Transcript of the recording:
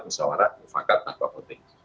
usahawara mufakat atau voting